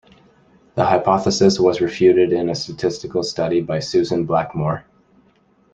The hypothesis was refuted in a statistical study by Susan Blackmore.